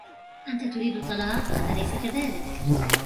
أنتَ تريد الطلاق, أليس كذلك ؟